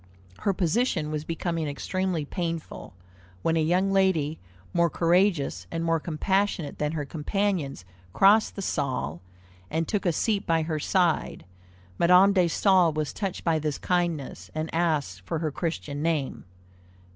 Her position was becoming extremely painful, when a young lady, more courageous and more compassionate than her companions, crossed the salle and took a seat by her side. Madame de Staël was touched by this kindness, and asked for her Christian name.